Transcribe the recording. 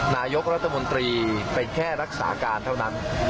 นายกรัฐมนตรีเป็นแค่รักษาการเท่านั้น